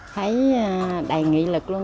thấy đầy nghị lực luôn